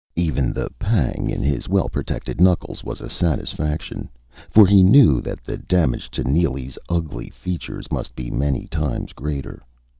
Even the pang in his well protected knuckles was a satisfaction for he knew that the damage to Neely's ugly features must be many times greater.